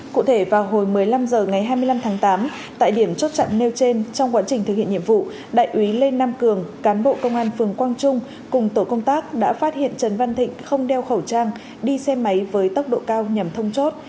cụ thể vào hồi một mươi năm h ngày hai mươi năm tháng tám tại điểm chốt chặn nêu trên trong quá trình thực hiện nhiệm vụ đại úy lê nam cường cán bộ công an phường quang trung cùng tổ công tác đã phát hiện trần văn thịnh không đeo khẩu trang đi xe máy với tốc độ cao nhằm thông chốt